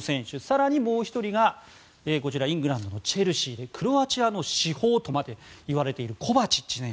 更にもう１人が、こちらイングランドのチェルシーでクロアチアの至宝とまで言われているコバチッチ選手